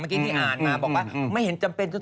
เมื่อกี้ที่อ่านมาบอกว่าไม่เห็นจำเป็น